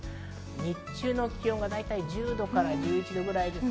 日中の気温が１０度から１１度ぐらいです。